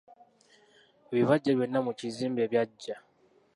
Ebibajje byonna mu kizimbe byaggya.